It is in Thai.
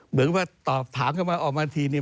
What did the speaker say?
เหมือนว่าตอบถามเข้ามาออกมาทีนึง